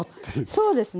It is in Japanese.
そうですね。